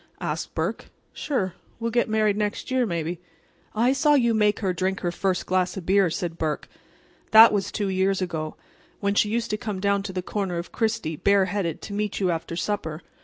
asked Burke. "Sure. We'll get married next year, maybe." "I saw you make her drink her first glass of beer," said Burke. "That was two years ago, when she used to come down to the corner of Chrystie bare headed to meet you after supper.